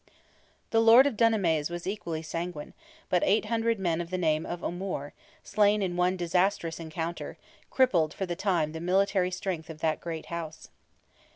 The Lord of Dunamase was equally sanguine, but 800 men of the name of O'Moore, slain in one disastrous encounter, crippled for the time the military strength of that great house.